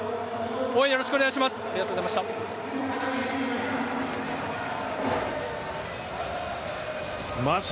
応援よろしくお願いします。